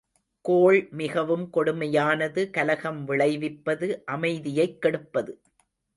கோள் மிகவும் கொடுமையானது கலகம் விளைவிப்பது அமைதியைக் கெடுப்பது.